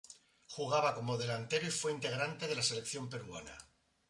Jugaba como delantero y fue integrante de la selección peruana.